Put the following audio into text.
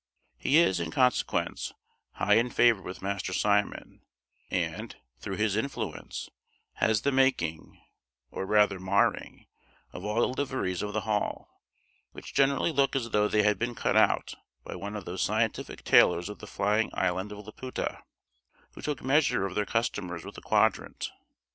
He is, in consequence, high in favour with Master Simon; and, through his influence, has the making, or rather marring, of all the liveries of the Hall; which generally look as though they had been cut out by one of those scientific tailors of the Flying Island of Laputa, who took measure of their customers with a quadrant.